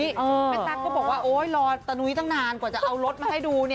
แม่ตั๊กก็บอกว่าโอ๊ยรอตะนุ้ยตั้งนานกว่าจะเอารถมาให้ดู